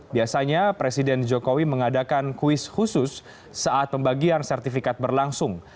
biasanya presiden jokowi mengadakan kuis khusus saat pembagian sertifikat berlangsung